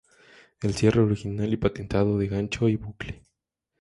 El cierre original y patentado de gancho y bucle.